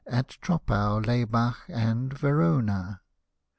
At Troppau, Laybach, and Verona.